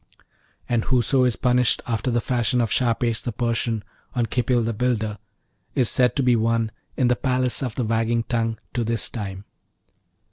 And whoso is punished after the fashion of Shahpesh, the Persian, on Khipil the Builder, is said to be one 'in the Palace of the Wagging Tongue' to this time.